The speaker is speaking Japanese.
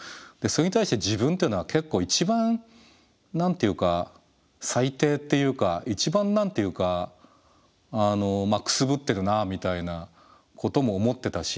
それに対して自分っていうのは結構一番何て言うか最低っていうか一番何て言うかくすぶってるなみたいなことも思ってたし。